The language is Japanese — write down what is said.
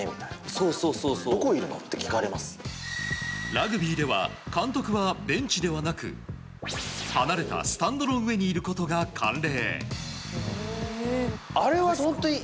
ラグビーでは監督はベンチではなく離れたスタンドの上にいることが慣例。